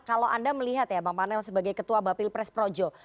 kalau anda melihat ya bang panel sebagai ketua bapil pres projo